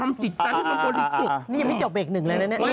นี่ทีศจีงยังไม่จอบเป็นอีกหนึ่งแล้วเนี่ย